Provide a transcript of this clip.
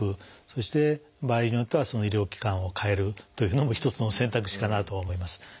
そして場合によっては医療機関を替えるというのも一つの選択肢かなとは思います。